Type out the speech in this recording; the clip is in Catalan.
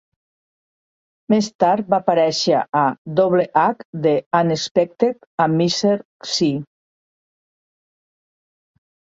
Més tard va aparèixer a "Double H: The Unexpected" amb Mr. Cee.